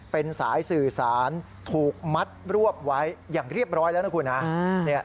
เป็นสายสื่อสารถูกมัดรวบไว้อย่างเรียบร้อยแล้วนะคุณฮะ